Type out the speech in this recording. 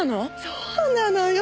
そうなのよ。